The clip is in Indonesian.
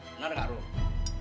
bener gak ruh